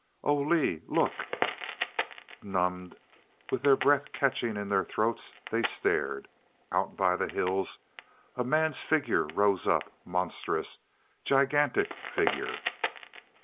"Oh, Lee look " Numbed, with their breath catching in their throats, they stared. Out by the hills a man's figure rose up monstrous, gigantic figure.